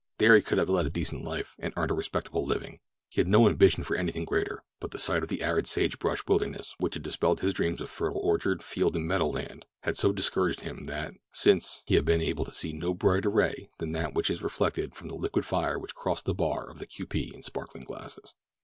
There he could have led a decent life, and earned a respectable living—he had no ambition for anything greater; but the sight of the arid sage brush wilderness which had dispelled his dreams of fertile orchard, field, and meadow land, had so discouraged him that, since, he had been able to see no brighter ray than that which is reflected from the liquid fire that crossed the bar of the Q. P. in sparkling glasses.